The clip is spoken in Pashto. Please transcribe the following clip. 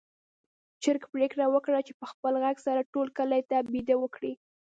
چرګ پرېکړه وکړه چې په خپل غږ سره ټول کلي ته بېده وکړي.